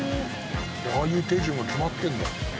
「ああいう手順が決まってるんだ」